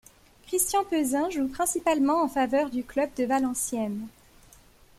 Christian Pesin joue principalement en faveur du club de Valenciennes.